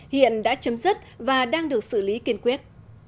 hiện đã chấm dứt và đang được xử lý kiên quyết